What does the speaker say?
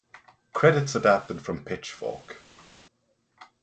Credits adapted from "Pitchfork".